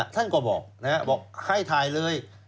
ท่านก็บอกบอกให้ถ่ายเลย